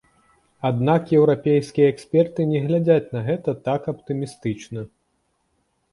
Аднак еўрапейскія эксперты не глядзяць на гэта так аптымістычна.